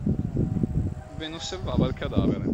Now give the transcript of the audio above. Ben osservava il cadavere.